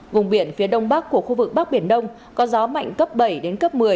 vùng biển phía đông bắc của khu vực bắc biển đông có gió mạnh cấp bảy đến cấp một mươi